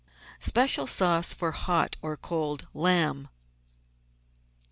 Special sauce for hot or cold Iamb.